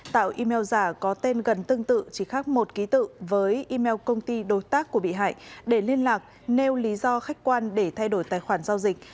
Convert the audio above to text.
tạo email giả có tên gần tương tự chỉ khác một ký tự với email công ty đối tác của bị hại để liên lạc nêu lý do khách quan để thay đổi tài khoản giao dịch